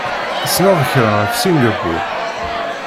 Tessneḍ kra ɣef Singapur?